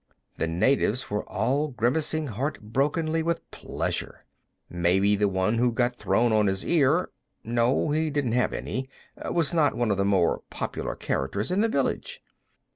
The natives were all grimacing heartbrokenly with pleasure. Maybe the one who got thrown on his ear no, he didn't have any was not one of the more popular characters in the village.